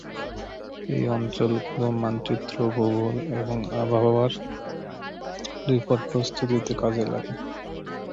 এই অঞ্চলগুলো মানচিত্র, ভূগোল এবং আবহাওয়ার রিপোর্ট প্রস্তুতিতে কাজে লাগে।